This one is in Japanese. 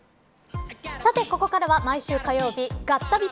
さて、ここからは毎週火曜日ガッタビ！！